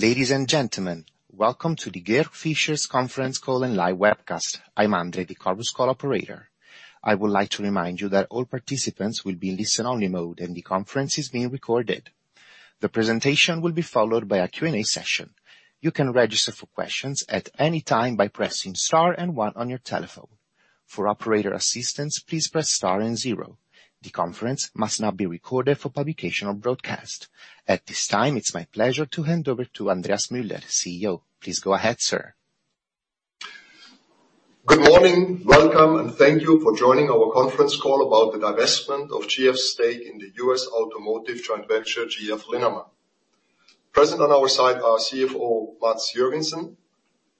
Ladies and gentlemen, welcome to the Georg Fischer's conference call and live webcast. I'm Andre, the call's operator. I would like to remind you that all participants will be in listen-only mode, and the conference is being recorded. The presentation will be followed by a Q&A session. You can register for questions at any time by pressing star and one on your telephone. For operator assistance, please press star and zero. The conference must not be recorded for publication or broadcast. At this time, it's my pleasure to hand over to Andreas Müller, CEO. Please go ahead, sir. Good morning. Welcome, and thank you for joining our conference call about the divestment of GF's stake in the U.S. Automotive Joint Venture, GF Linamar. Present on our side are CFO, Mads Joergensen;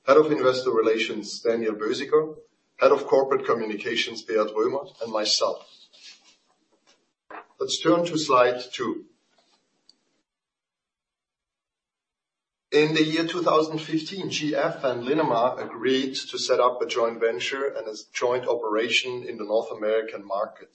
Head of Investor Relations, Daniel Bösiger; Head of Corporate Communications, Beat Römer; and myself. Let's turn to slide two. In the year 2015, GF and Linamar agreed to set up a joint venture and its joint operation in the North American market.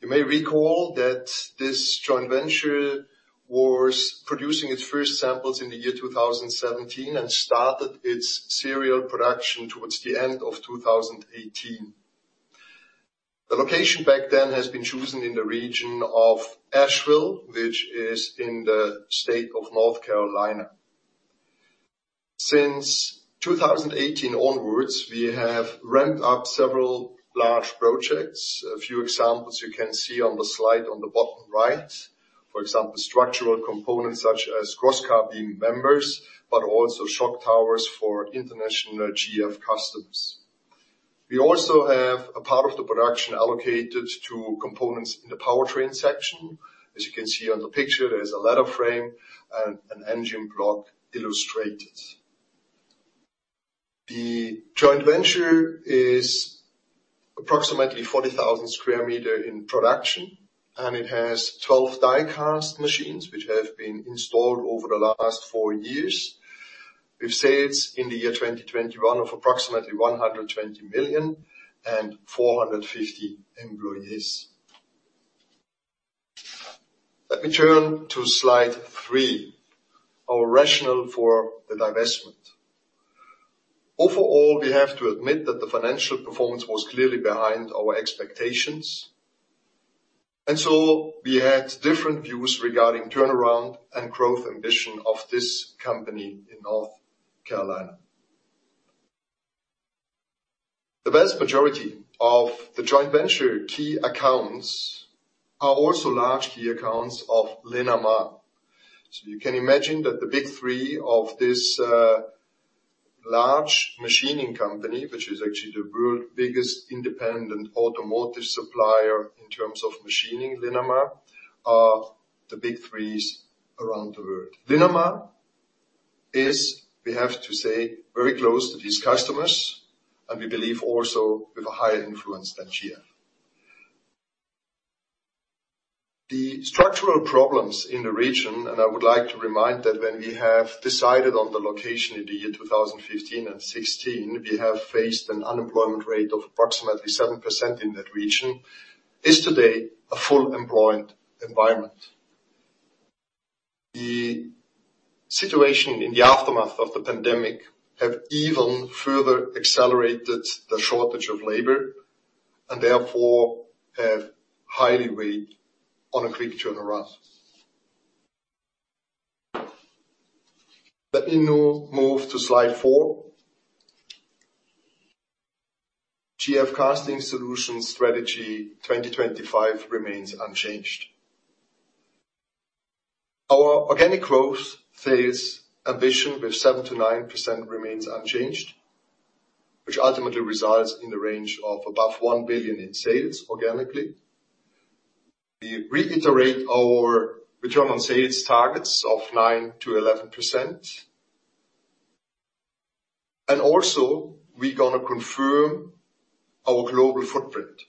You may recall that this joint venture was producing its first samples in the year 2017 and started its serial production towards the end of 2018. The location back then has been chosen in the region of Asheville, which is in the state of North Carolina. Since 2018 onwards, we have ramped up several large projects. A few examples you can see on the slide on the bottom right. For example, structural components such as cross-car beam members, but also shock towers for international GF customers. We also have a part of the production allocated to components in the powertrain section. As you can see on the picture, there's a ladder frame and an engine block illustrated. The joint venture is approximately 40,000 sq m in production, and it has 12 die-cast machines which have been installed over the last four years, with sales in the year 2021 of approximately $120 million and 450 employees. Let me turn to slide three, our rationale for the divestment. Overall, we have to admit that the financial performance was clearly behind our expectations, and so we had different views regarding turnaround and growth ambition of this company in North Carolina. The vast majority of the joint venture key accounts are also large key accounts of Linamar. You can imagine that the big three of this large machining company, which is actually the world's biggest independent automotive supplier in terms of machining, Linamar, are the big threes around the world. Linamar is, we have to say, very close to these customers, and we believe also with a higher influence than GF. The structural problems in the region, and I would like to remind that when we have decided on the location in the year 2015 and 2016, we have faced an unemployment rate of approximately 7% in that region, is today a fully employed environment. The situation in the aftermath of the pandemic have even further accelerated the shortage of labor and therefore have highly weighed on a quick turnaround. Let me now move to slide four. GF Casting Solutions Strategy 2025 remains unchanged. Our organic growth phase ambition with 7%-9% remains unchanged, which ultimately results in the range of above 1 billion in sales organically. We reiterate our return on sales targets of 9%-11%. We gonna confirm our global footprint.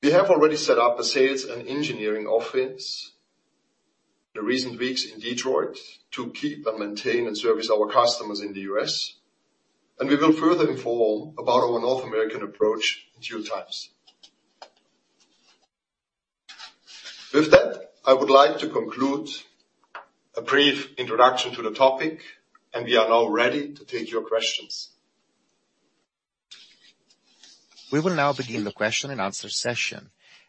We have already set up a sales and engineering office in the recent weeks in Detroit to keep and maintain and service our customers in the U.S., and we will further inform about our North American approach in due times. With that, I would like to conclude a brief introduction to the topic, and we are now ready to take your questions. We will now begin the question-and-answer session.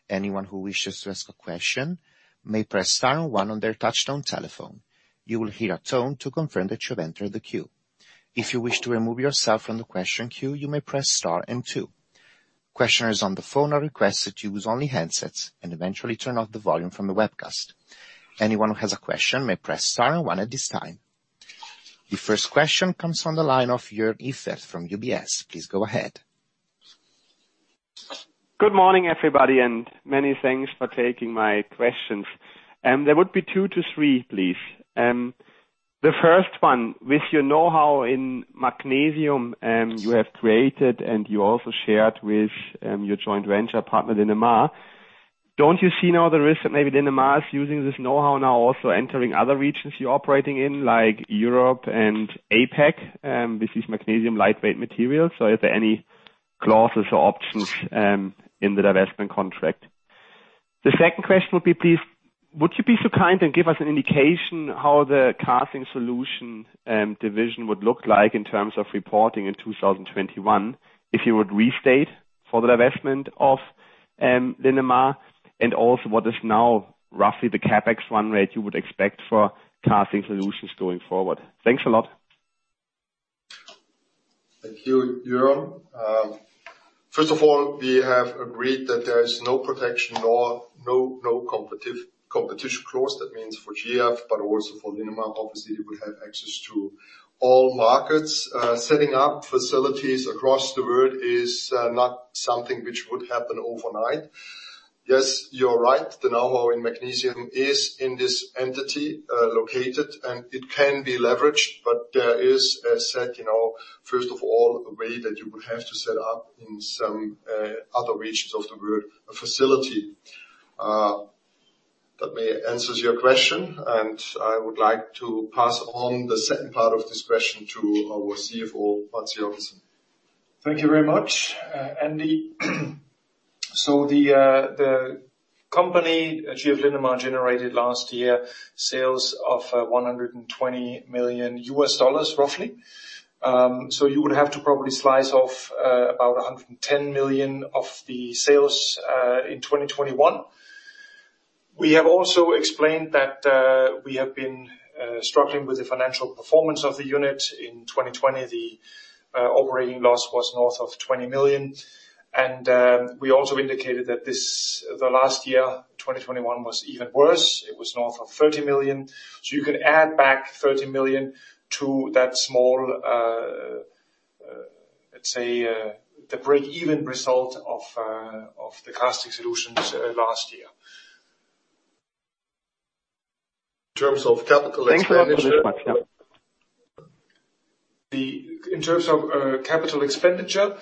Anyone who wishes to ask a question may press star and one on their touchtone telephone. You will hear a tone to confirm that you have entered the queue. If you wish to remove yourself from the question queue, you may press star and two. Questioners on the phone are requested to use only handsets and eventually turn off the volume from the webcast. Anyone who has a question may press star and one at this time. The first question comes from the line of Jörg Hessler from UBS. Please go ahead. Good morning, everybody, and many thanks for taking my questions. There would be two to three, please. The first one, with your know-how in magnesium, you have created and you also shared with your joint venture partner, Linamar. Don't you see now the risk that maybe Linamar is using this know-how now also entering other regions you're operating in, like Europe and APAC? This is magnesium lightweight material, so are there any clauses or options in the divestment contract? The second question would be please, would you be so kind and give us an indication how the Casting Solutions division would look like in terms of reporting in 2021, if you would restate for the divestment of Linamar. And also what is now roughly the CapEx run rate you would expect for Casting Solutions going forward. Thanks a lot. Thank you, Jörg Hessler. First of all, we have agreed that there is no protection nor competition clause. That means for GF, but also for Linamar. Obviously, we have access to all markets. Setting up facilities across the world is not something which would happen overnight. Yes, you're right. The know-how in magnesium is in this entity located, and it can be leveraged. But there is, as said, you know, first of all, a way that you would have to set up in some other regions of the world, a facility. That may answers your question, and I would like to pass on the second part of this question to our CFO, Mads Joergensen. Thank you very much, Andy. The company, GF Linamar, generated last year sales of $120 million, roughly. You would have to probably slice off about $110 million of the sales in 2021. We have also explained that we have been struggling with the financial performance of the unit. In 2020, the operating loss was north of $20 million. We also indicated that this, the last year, 2021, was even worse. It was north of $30 million. You could add back $30 million to that small, let's say, the break-even result of Casting Solutions last year. In terms of capital expenditure. Thanks very much for this much. Yeah. In terms of capital expenditure,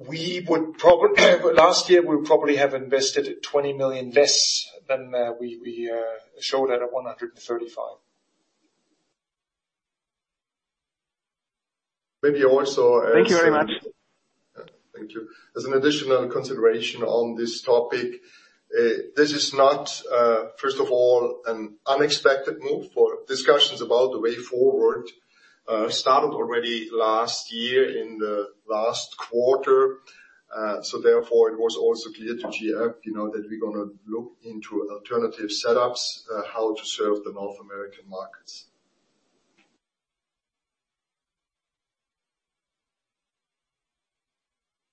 last year we probably have invested 20 million less than we showed at 135. Maybe also, uh- Thank you very much. Yeah. Thank you. As an additional consideration on this topic, this is not, first of all, an unexpected move for discussions about the way forward started already last year in the last quarter, so therefore it was also clear to GF, you know, that we're gonna look into alternative setups, how to serve the North American markets.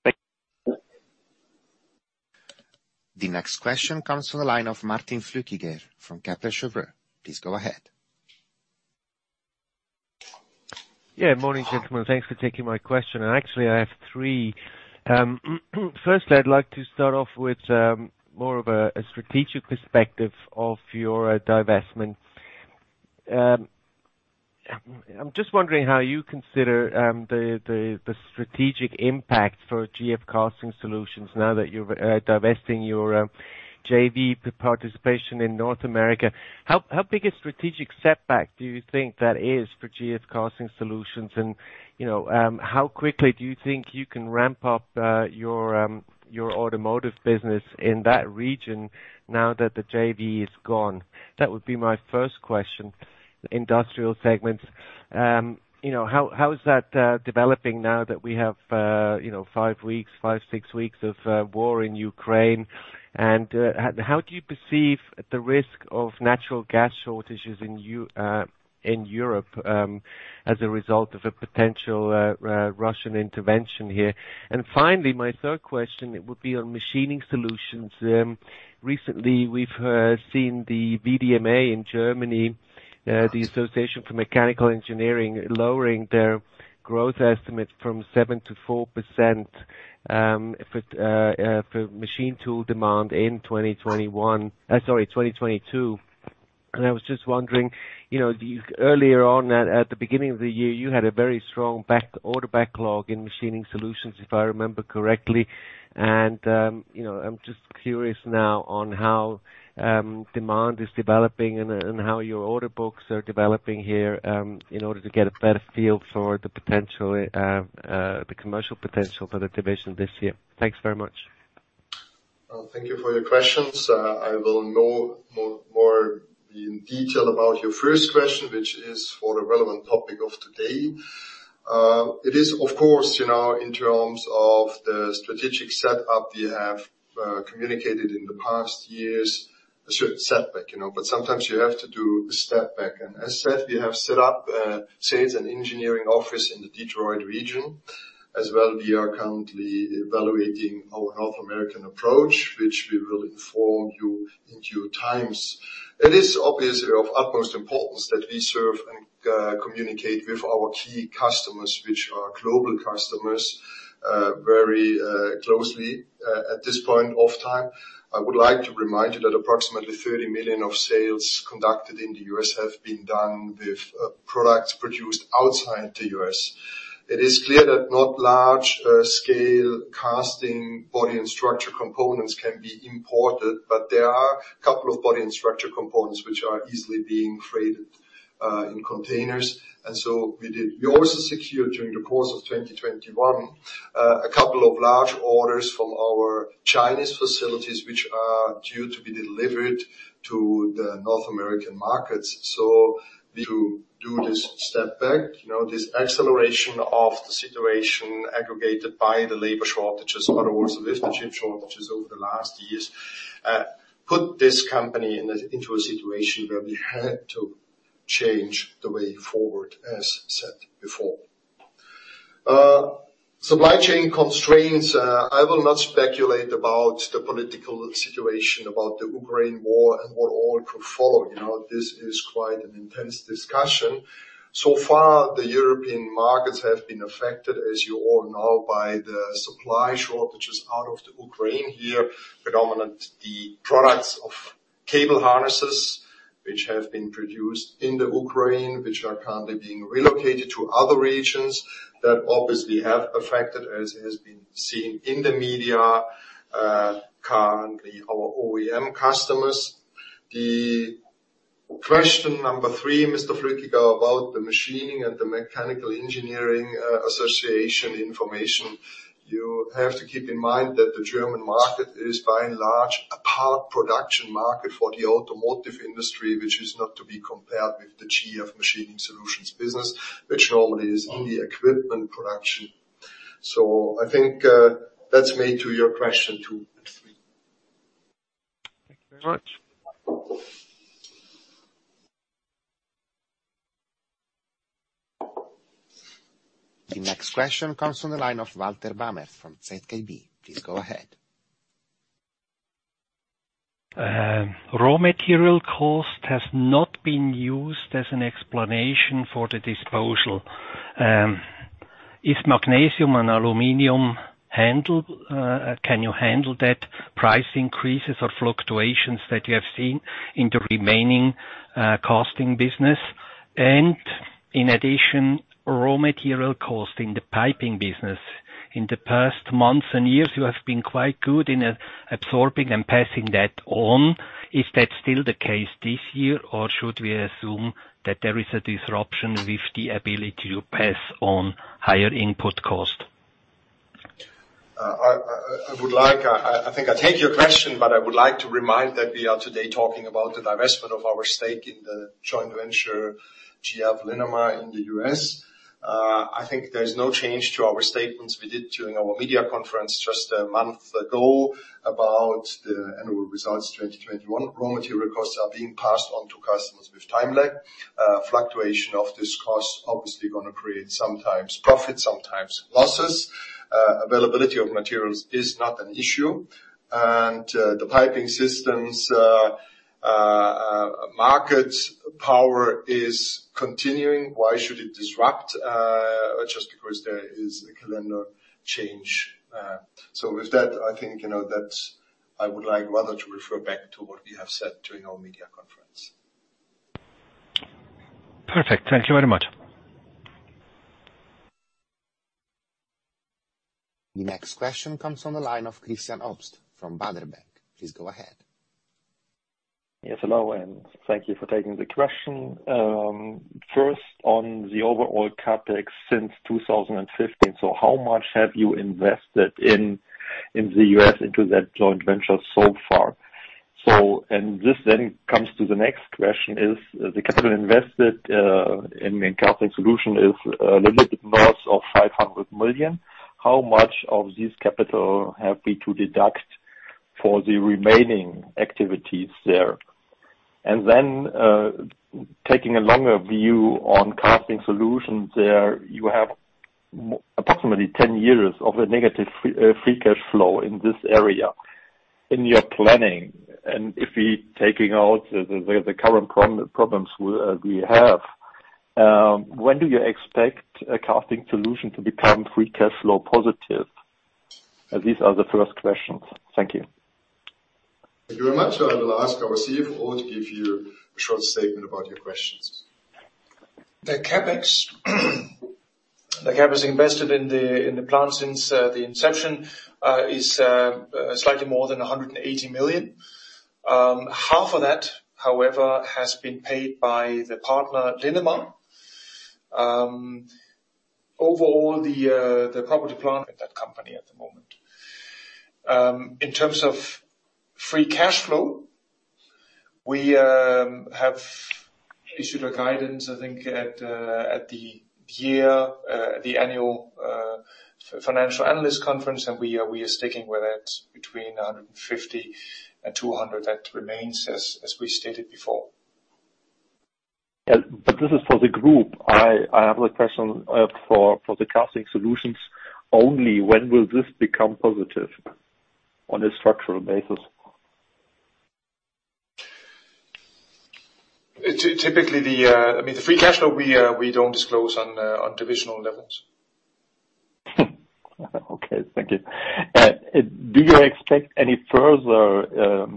Thank you. The next question comes from the line of Martin Flückiger from Credit Suisse. Please go ahead. Yeah, morning, gentlemen. Thanks for taking my question. Actually, I have three. Firstly, I'd like to start off with more of a strategic perspective of your divestment. I'm just wondering how you consider the strategic impact for GF Casting Solutions now that you're divesting your JV participation in North America. How big a strategic setback do you think that is for GF Casting Solutions? You know, how quickly do you think you can ramp up your automotive business in that region now that the JV is gone? That would be my first question. Industrial segments. You know, how is that developing now that we have five or six weeks of war in Ukraine? How do you perceive the risk of natural gas shortages in Europe as a result of a potential Russian intervention here. Finally, my third question, it would be on machining solutions. Recently we've seen the VDMA in Germany, the Association for Mechanical Engineering, lowering their growth estimate from 7% to 4% for machine tool demand in 2021. Sorry, 2022. I was just wondering, you know, you earlier on at the beginning of the year, you had a very strong order backlog in machining solutions, if I remember correctly. You know, I'm just curious now on how demand is developing and how your order books are developing here in order to get a better feel for the commercial potential for the division this year. Thanks very much. Thank you for your questions. I will know more in detail about your first question, which is for the relevant topic of today. It is, of course, you know, in terms of the strategic setup we have communicated in the past years, a certain setback, you know. Sometimes you have to do a step back. As said, we have set up sales and engineering office in the Detroit region. As well, we are currently evaluating our North American approach, which we will inform you in due times. It is obviously of utmost importance that we serve and communicate with our key customers, which are global customers very closely. At this point of time, I would like to remind you that approximately 30 million of sales conducted in the U.S. have been done with products produced outside the U.S. It is clear that not large-scale casting body and structure components can be imported, but there are a couple of body and structure components which are easily being freighted in containers. We did. We also secured during the course of 2021 a couple of large orders from our Chinese facilities, which are due to be delivered to the North American markets. We had to take a step back, you know, this acceleration of the situation aggravated by the labor shortages and leadership shortages over the last years put this company into a situation where we had to change the way forward, as said before. Supply chain constraints, I will not speculate about the political situation, about the Ukraine war and what all could follow. You know, this is quite an intense discussion. Far, the European markets have been affected, as you all know, by the supply shortages out of the Ukraine. Here, predominant the products of cable harnesses, which have been produced in the Ukraine, which are currently being relocated to other regions that obviously have affected, as has been seen in the media, currently our OEM customers. The question number three, Mr. Flückiger, about the machining and the mechanical engineering association information. You have to keep in mind that the German market is by and large a part production market for the automotive industry, which is not to be compared with the GF Machining Solutions business, which normally is in the equipment production. I think that answers your question 2 and 3. Thank you very much. The next question comes from the line of Walter Bamert from ZKB. Please go ahead. Raw material cost has not been used as an explanation for the disposal. Is magnesium and aluminum handled? Can you handle that price increases or fluctuations that you have seen in the remaining casting business? In addition, raw material cost in the piping business. In the past months and years, you have been quite good in absorbing and passing that on. Is that still the case this year, or should we assume that there is a disruption with the ability to pass on higher input cost? I would like, I think I take your question, but I would like to remind that we are today talking about the divestment of our stake in the joint venture GF Linamar in the U.S. I think there is no change to our statements we did during our media conference just a month ago about the annual results 2021. Raw material costs are being passed on to customers with time lag. Fluctuation of this cost obviously gonna create sometimes profit, sometimes losses. Availability of materials is not an issue. The piping systems market power is continuing. Why should it disrupt just because there is a calendar change? With that, I think, you know, that's. I would like rather to refer back to what we have said during our media conference. Perfect. Thank you very much. The next question comes from the line of Christian Obst from Baader Bank. Please go ahead. Yes, hello, and thank you for taking the question. First on the overall CapEx since 2015, how much have you invested in the U.S. into that joint venture so far? This then comes to the next question, the capital invested in Casting Solutions is a little bit north of 500 million. How much of this capital have we to deduct for the remaining activities there? Taking a longer view on Casting Solutions there, you have approximately 10 years of a negative free cash flow in this area in your planning. If we taking out the current problems we have, when do you expect Casting Solutions to become free cash flow positive? These are the first questions. Thank you. Thank you very much. I will ask our CFO to give you a short statement about your questions. The CapEx invested in the plant since the inception is slightly more than 180 million. Half of that, however, has been paid by the partner, Linamar. Overall the property plant in that company at the moment. In terms of free cash flow, we have issued a guidance, I think at the annual financial analyst conference, and we are sticking with it between 150 million and 200 million. That remains as we stated before. Yeah. This is for the group. I have a question for the Casting Solutions only. When will this become positive on a structural basis? It's typically, I mean, the free cash flow we don't disclose on divisional levels. Okay. Thank you. Do you expect any further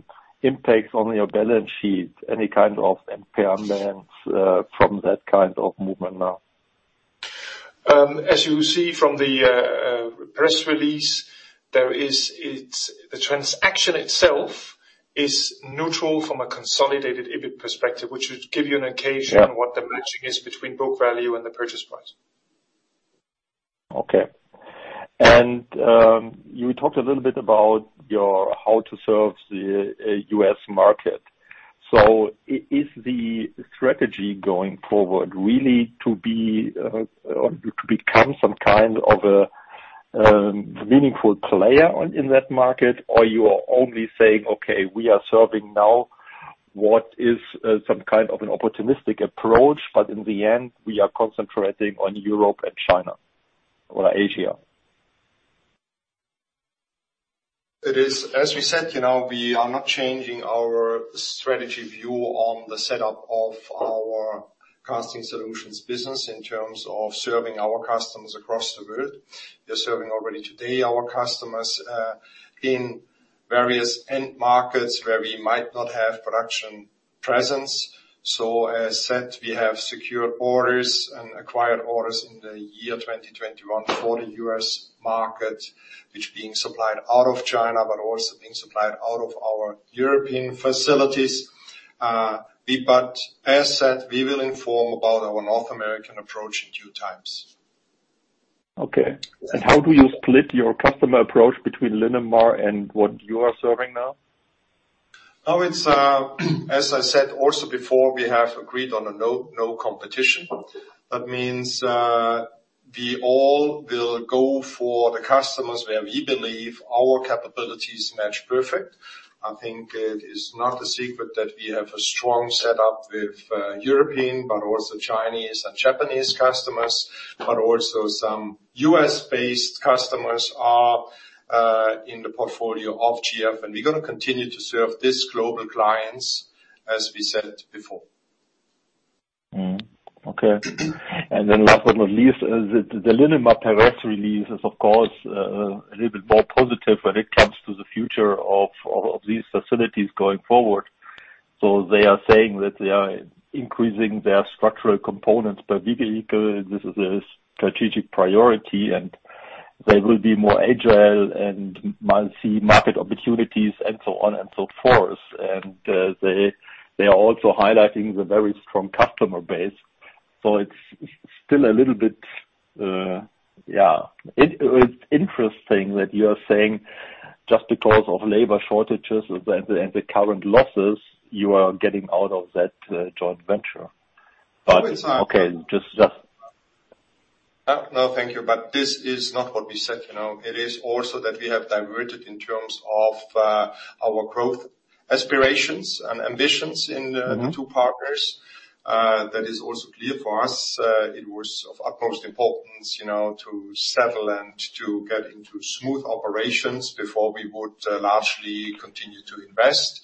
impacts on your balance sheet, any kind of impairments, from that kind of movement now? As you see from the press release, the transaction itself is neutral from a consolidated EBIT perspective, which would give you an indication. Yeah. On what the matching is between book value and the purchase price. You talked a little bit about how to serve the U.S. market. Is the strategy going forward really to be or to become some kind of a meaningful player in that market or you are only saying, "Okay, we are serving now what is some kind of an opportunistic approach, but in the end, we are concentrating on Europe and China or Asia? It is, as we said, you know, we are not changing our strategy view on the setup of our casting solutions business in terms of serving our customers across the world. We are serving already today our customers in various end markets where we might not have production presence. As said, we have secured orders and acquired orders in the year 2021 for the U.S. market, which are being supplied out of China, but also being supplied out of our European facilities. As said, we will inform about our North American approach in due time. Okay. How do you split your customer approach between Linamar and what you are serving now? Now, it's as I said also before, we have agreed on a no competition. That means, we all will go for the customers where we believe our capabilities match perfect. I think it is not a secret that we have a strong set up with European but also Chinese and Japanese customers, but also some US-based customers are in the portfolio of GF, and we're gonna continue to serve these global clients, as we said before. Last but not least, the Linamar press release is of course a little bit more positive when it comes to the future of these facilities going forward. They are saying that they are increasing their structural components per vehicle. This is a strategic priority, and they will be more agile and might see market opportunities and so on and so forth. They are also highlighting the very strong customer base. It's still a little bit interesting that you are saying just because of labor shortages and the current losses, you are getting out of that joint venture. No, it's not. Okay. Just. No, thank you. This is not what we said. You know, it is also that we have diverted in terms of, our growth aspirations and ambitions in the- Mm-hmm. two partners. That is also clear for us. It was of utmost importance, you know, to settle and to get into smooth operations before we would largely continue to invest.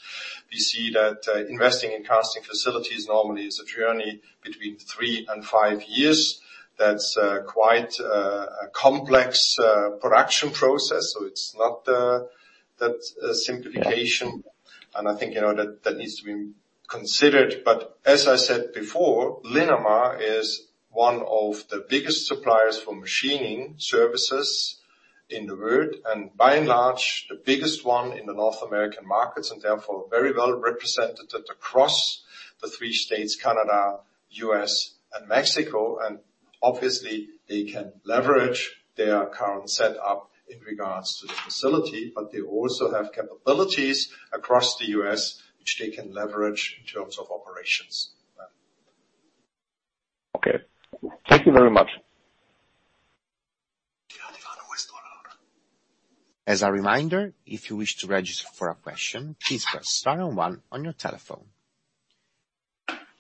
We see that investing in casting facilities normally is a journey between three and five years. That's quite a complex production process, so it's not that simplification. Yeah. I think, you know, that needs to be considered. As I said before, Linamar is one of the biggest suppliers for machining services in the world, and by and large, the biggest one in the North American markets, and therefore very well represented across the three states, Canada, U.S., and Mexico. Obviously they can leverage their current set up in regards to the facility, but they also have capabilities across the U.S. which they can leverage in terms of operations. Okay. Thank you very much. As a reminder, if you wish to register for a question, please press star and one on your telephone.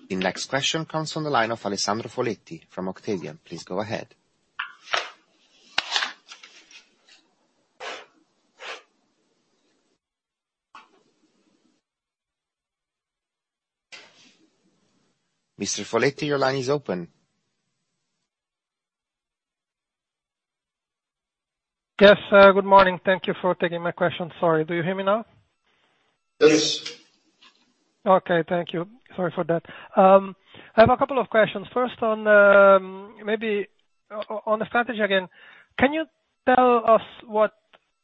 The next question comes from the line of Alessandro Foletti from Octavian. Please go ahead. Mr. Foletti, your line is open. Yes. Good morning. Thank you for taking my question. Sorry, do you hear me now? Yes. Okay. Thank you. Sorry for that. I have a couple of questions. First on maybe on the strategy again. Can you tell us what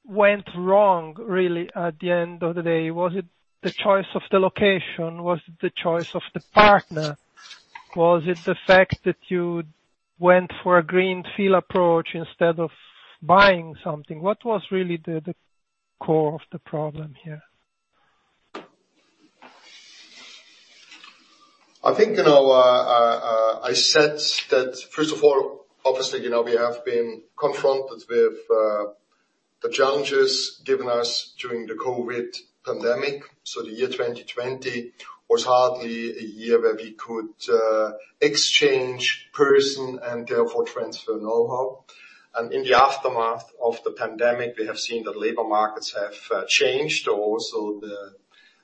went wrong really at the end of the day? Was it the choice of the location? Was it the choice of the partner? Was it the fact that you went for a greenfield approach instead of buying something? What was really the core of the problem here? I think, you know, I said that, first of all, obviously, you know, we have been confronted with the challenges given us during the COVID pandemic. The year 2020 was hardly a year where we could exchange personnel and therefore transfer know-how. In the aftermath of the pandemic, we have seen that labor markets have changed. Also the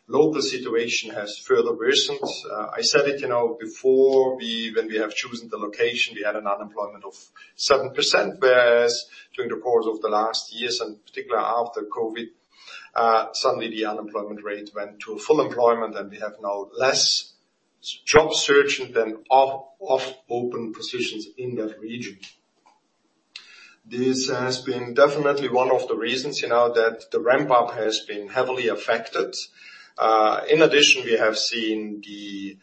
local situation has further worsened. I said it, you know, before, when we have chosen the location, we had an unemployment of 7%, whereas during the course of the last years, and particularly after COVID, suddenly the unemployment rate went to full employment and we have now fewer job seekers than open positions in that region. This has been definitely one of the reasons, you know, that the ramp up has been heavily affected. In addition, we have seen the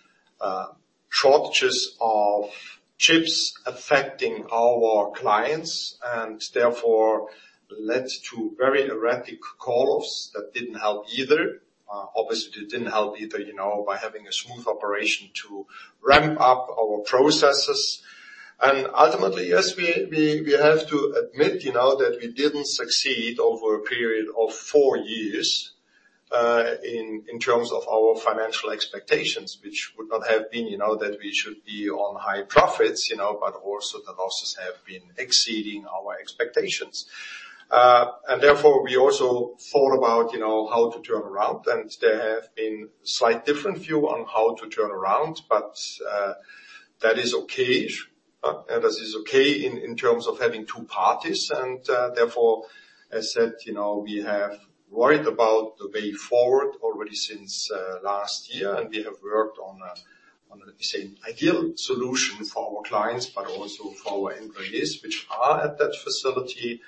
shortages of chips affecting our clients and therefore led to very erratic call offs that didn't help either. Obviously it didn't help either, you know, by having a smooth operation to ramp up our processes. Ultimately, yes, we have to admit, you know, that we didn't succeed over a period of four years in terms of our financial expectations, which would not have been, you know, that we should be on high profits, you know, but also the losses have been exceeding our expectations. Therefore, we also thought about, you know, how to turn around. There have been slight different view on how to turn around, but that is okay. That is okay in terms of having two parties and, therefore, as said, you know, we have worried about the way forward already since last year, and we have worked on the same ideal solution for our clients but also for our employees which are at that facility.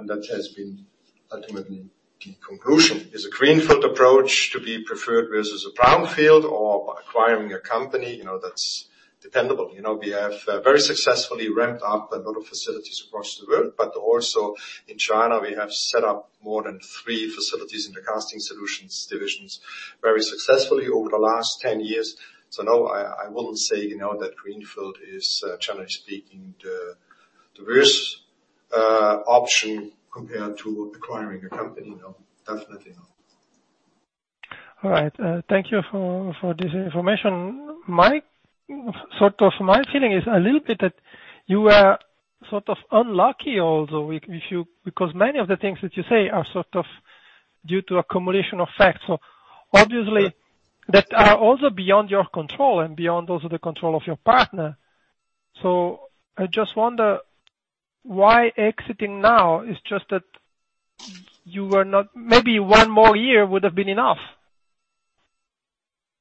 That has been ultimately the conclusion. Is a greenfield approach to be preferred versus a brownfield or acquiring a company, you know, that's dependable. You know, we have very successfully ramped up a lot of facilities across the world, but also in China, we have set up more than three facilities in the Casting Solutions divisions very successfully over the last 10 years. No, I wouldn't say, you know, that greenfield is generally speaking the worst option compared to acquiring a company. No, definitely not. All right. Thank you for this information. Sort of my feeling is a little bit that you are sort of unlucky, although because many of the things that you say are sort of due to accumulation of facts. Obviously that are also beyond your control and beyond also the control of your partner. I just wonder why exiting now is just that maybe one more year would have been enough.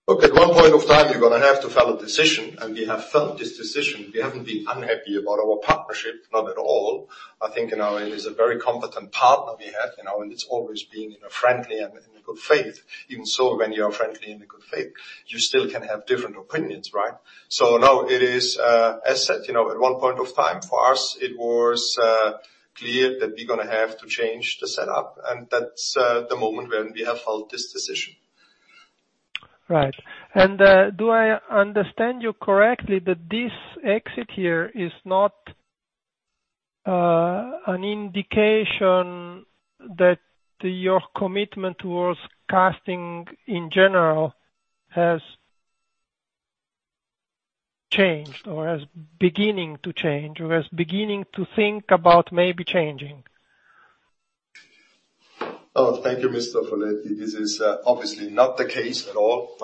Look, at one point of time, you're gonna have to have a decision, and we have felt this decision. We haven't been unhappy about our partnership, not at all. I think, you know, it is a very competent partner we have, you know, and it's always been in a friendly and in good faith. Even so when you are friendly in a good faith, you still can have different opinions, right? No, it is, as said, you know, at one point of time, for us, it was clear that we're gonna have to change the setup, and that's the moment when we have held this decision. Right. Do I understand you correctly that this exit here is not an indication that your commitment towards casting in general has changed or is beginning to change, or is beginning to think about maybe changing? Oh, thank you, Mr. Foletti. This is obviously not the case at all.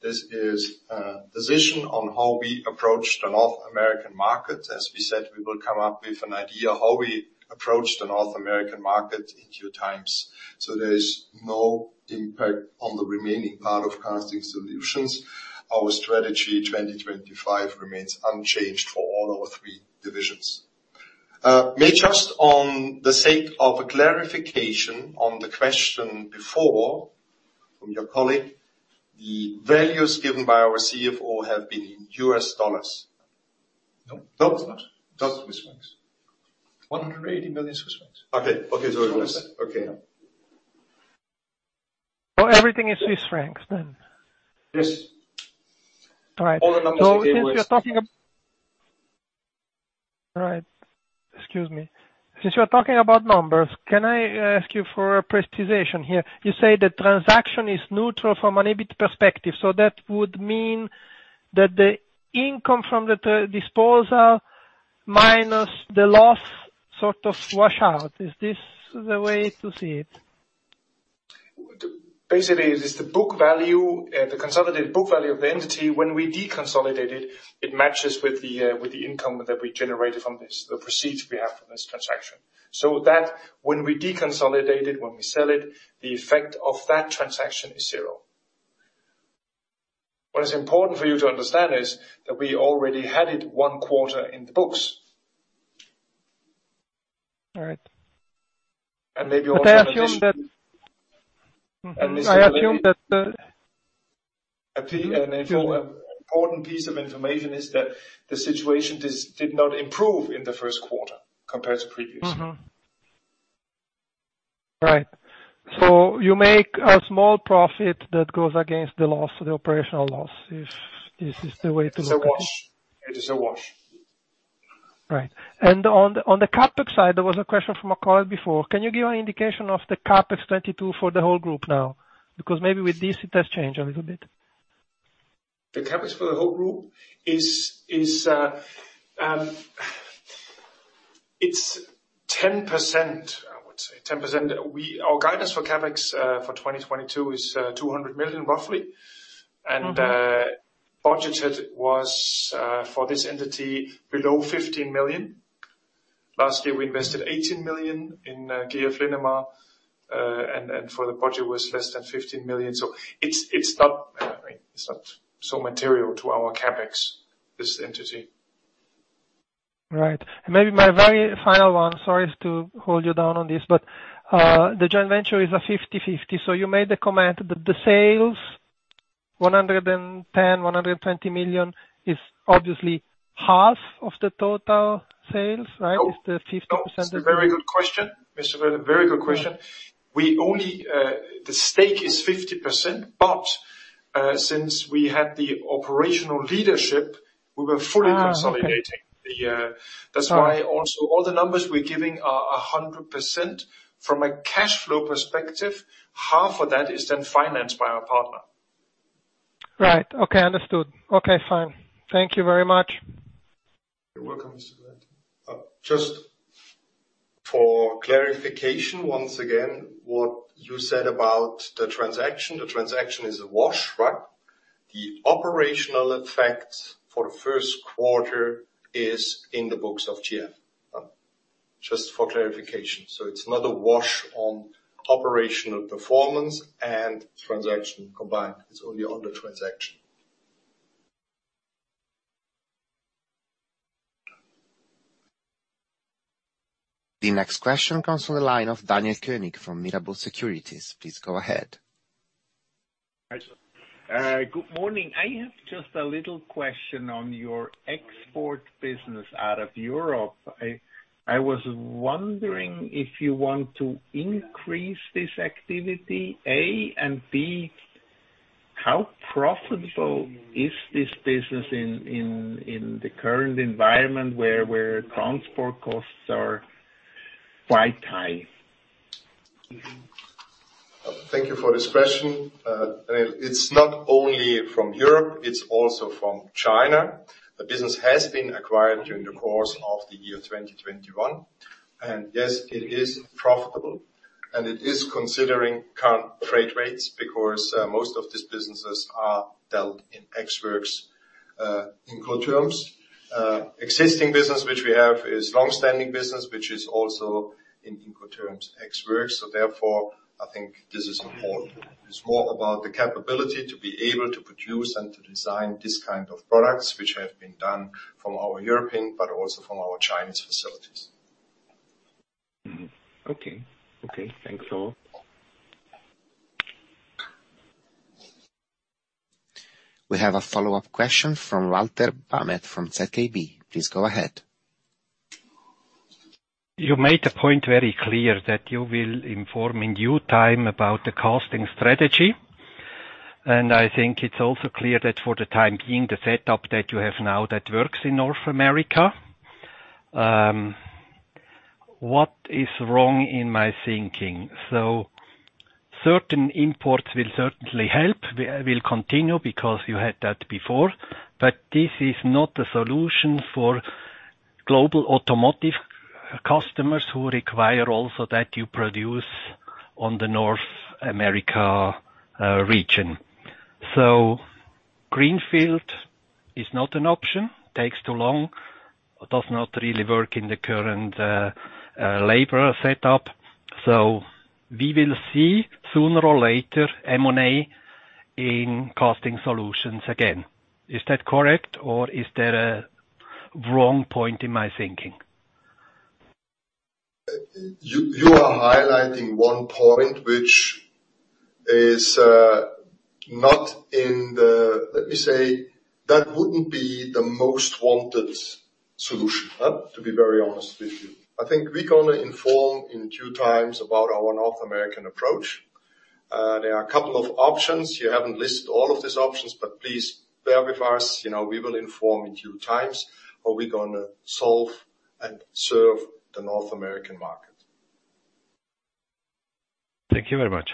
This is decision on how we approach the North American market. As we said, we will come up with an idea how we approach the North American market in due time. There is no impact on the remaining part of Casting Solutions. Our Strategy 2025 remains unchanged for all our three divisions. Maybe just for the sake of a clarification on the question before from your colleague, the values given by our CFO have been in US dollars. No. No? It's not. That's Swiss francs. CHF 180 million. Okay. Swiss. Okay. Everything is Swiss francs then? Yes. All right. All the numbers in Swiss- All right. Excuse me. Since you are talking about numbers, can I ask you for a clarification here? You say the transaction is neutral from an EBIT perspective, so that would mean that the income from the disposal minus the loss sort of wash out. Is this the way to see it? Basically, it is the book value, the consolidated book value of the entity. When we deconsolidate it matches with the income that we generated from this, the proceeds we have from this transaction. That when we deconsolidate it, when we sell it, the effect of that transaction is zero. What is important for you to understand is that we already had it one quarter in the books. All right. Maybe also in addition. I assume that. Mr. Foletti. Mm-hmm. I assume that, An important piece of information is that the situation did not improve in the first quarter compared to previous. Right. You make a small profit that goes against the loss, the operational loss, if this is the way to look at it. It's a wash. Right. On the CapEx side, there was a question from a caller before. Can you give an indication of the CapEx 2022 for the whole group now? Because maybe with this it has changed a little bit. The CapEx for the whole group is 10%, I would say. 10%. Our guidance for CapEx for 2022 is 200 million, roughly. Mm-hmm. Budgeted was for this entity below 15 million. Last year, we invested 18 million in GF Linamar. For the budget was less than 15 million. It's not so material to our CapEx, this entity. Right. Maybe my very final one. Sorry to hold you down on this, but the joint venture is a 50/50, so you made the comment that the sales, $110 million-$120 million, is obviously half of the total sales, right? No. Is the 50%? No. It's a very good question. Mr. Foletti, very good question. Yeah. The stake is 50%, but since we had the operational leadership, we were fully- Okay. -consolidating the, uh- Right. That's why also all the numbers we're giving are 100%. From a cash flow perspective, half of that is then financed by our partner. Right. Okay, understood. Okay, fine. Thank you very much. You're welcome, Mr. Folletti. Just for clarification once again, what you said about the transaction, the transaction is a wash, right? The operational effect for the first quarter is in the books of GF. Just for clarification. It's not a wash on operational performance and transaction combined. It's only on the transaction. The next question comes from the line of Daniel Koenig from Mirabaud Securities. Please go ahead. Good morning. I have just a little question on your export business out of Europe. I was wondering if you want to increase this activity, A. B, how profitable is this business in the current environment where transport costs are quite high? Thank you for this question. It's not only from Europe, it's also from China. The business has been acquired during the course of the year 2021. Yes, it is profitable and it is considering current trade rates because most of these businesses are dealt in ex-works Incoterms. Existing business which we have is long-standing business, which is also in Incoterms ex-works. Therefore, I think this is important. It's more about the capability to be able to produce and to design these kind of products which have been done from our European, but also from our Chinese facilities. Okay. Thanks all. We have a follow-up question from Walter Bamert from ZKB. Please go ahead. You made the point very clear that you will inform in due time about the casting strategy. I think it's also clear that for the time being, the setup that you have now that works in North America. What is wrong in my thinking? Certain imports will certainly help. We will continue because you had that before. This is not a solution for global automotive customers who require also that you produce in the North American region. Greenfield is not an option. It takes too long. It does not really work in the current labor setup. We will see sooner or later M&A in Casting Solutions again. Is that correct or is there a wrong point in my thinking? You are highlighting one point. Let me say, that wouldn't be the most wanted solution, to be very honest with you. I think we're gonna inform in due times about our North American approach. There are a couple of options. You haven't listed all of these options, but please bear with us. You know, we will inform in due times how we're gonna solve and serve the North American market. Thank you very much.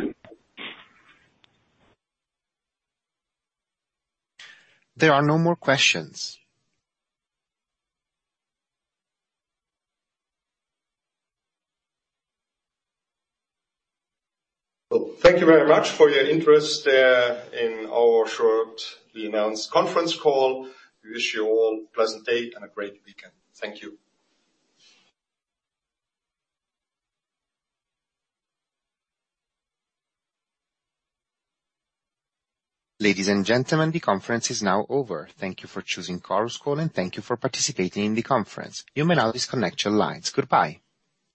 There are no more questions. Well, thank you very much for your interest in our short pre-announce conference call. We wish you all a pleasant day and a great weekend. Thank you. Ladies and gentlemen, the conference is now over. Thank you for choosing Chorus Call, and thank you for participating in the conference. You may now disconnect your lines. Goodbye.